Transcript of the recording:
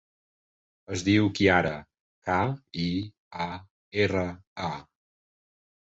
Es diu Kiara: ca, i, a, erra, a.